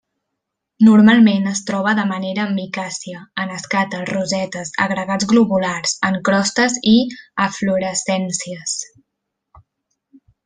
Normalment es troba de manera micàcia, en escates, rosetes, agregats globulars, en crostes i eflorescències.